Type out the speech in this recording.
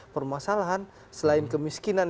permasalahan selain kemiskinan